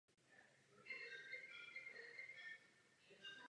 Šlo o deset rodin.